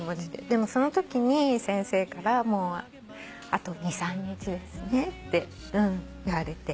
でもそのときに先生から「あと２３日ですね」って言われて。